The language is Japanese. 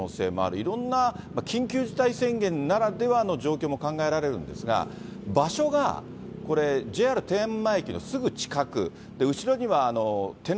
いろんな緊急事態宣言ならではの状況も考えられるんですが、場所がＪＲ天満駅のすぐ近く、後ろにはてん